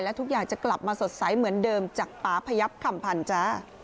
และทุกอย่างจะกลับมาสดใสเหมือนเดิมจากป๊าพยับคำพันธ์จ้า